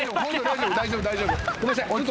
大丈夫大丈夫。